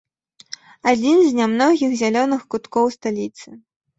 Адзін з нямногіх зялёных куткоў сталіцы.